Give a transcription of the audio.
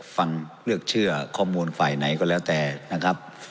ฟังเลือกเชื่อข้อมูลฝ่ายไหนก็แล้วแต่นะครับ